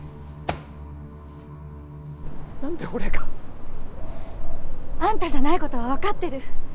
なんで俺が？あんたじゃない事はわかってる。